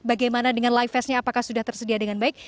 bagaimana dengan life vestnya apakah sudah tersedia dengan baik